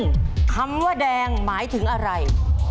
คำว่าลงแดงคำว่าแดงหมายถึงอะไร